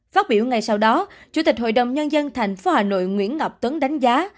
phát biểu ngay sau đó chủ tịch hội đồng nhân dân tp hà nội nguyễn ngọc tuấn đánh giá